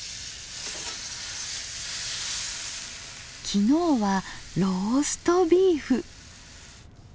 昨日はローストビーフ。